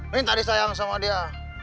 minta disayang sama dia